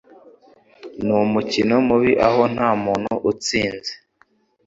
Numukino mubi aho ntamuntu utsinze.